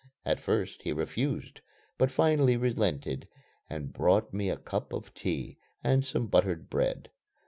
At first he refused, but finally relented and brought me a cup of tea and some buttered bread.